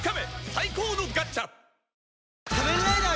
最高のガッチャ！